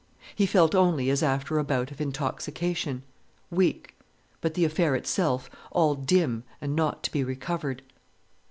He felt only as after a bout of intoxication, weak, but the affair itself all dim and not to be recovered.